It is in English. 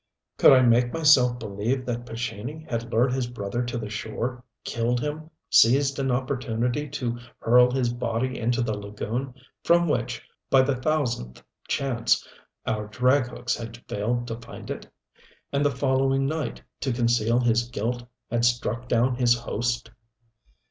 Could I make myself believe that Pescini had lured his brother to the shore, killed him, seized an opportunity to hurl his body into the lagoon, from which, by the thousandth chance, our drag hooks had failed to find it; and the following night, to conceal his guilt, had struck down his host?